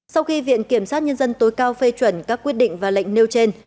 sau khi viện kiểm sát nhân dân tối cao phê chuẩn các quyết định và lệnh nêu trên